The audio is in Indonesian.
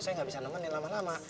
saya nggak bisa nemenin lama lama